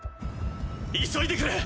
急いでくれ！